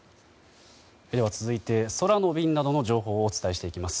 続いて空の便などの情報をお伝えします。